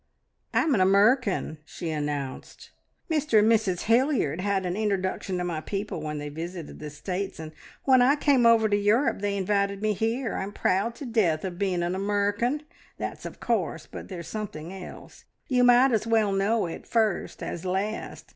"I'm an Amurrican," she announced. "Mr and Mrs Hilliard had an introduction to my people when they visited the States, and when I came over to Europe they invited me here. I'm proud to death of being an Amurrican; that's of course! But there's something else. You might as well know it first as last."